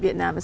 ở việt nam